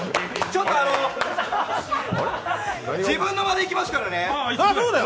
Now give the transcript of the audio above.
ちょっとあの自分の間でいきますからね。